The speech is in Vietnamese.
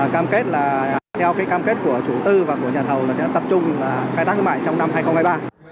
và theo cái cam kết của chủ tư và của nhà thầu là sẽ tập trung khai tác thương mại trong năm hai nghìn hai mươi ba